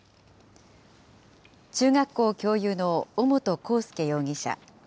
中学校教諭の尾本幸祐容疑者。